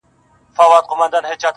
زما د هر شعر نه د هري پيغلي بد راځي.